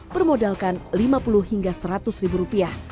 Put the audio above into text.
bermodalkan lima puluh hingga seratus ribu rupiah